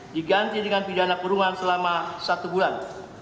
diganti dengan pidana kurungan selama satu bulan